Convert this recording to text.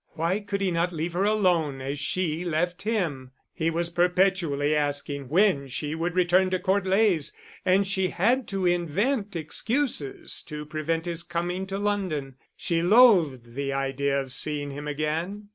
Why could he not leave her alone, as she left him? He was perpetually asking when she would return to Court Leys; and she had to invent excuses to prevent his coming to London. She loathed the idea of seeing him again.